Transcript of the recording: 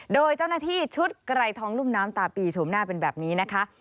โดยเจ้าหน้าที่ชุดไกรทองรุ่มน้ำตาปีโฉมหน้าเป็นแบบนี้นะคะ